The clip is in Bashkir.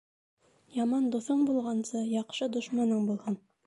Яман дуҫың булғансы, яҡшы дошманың булһын.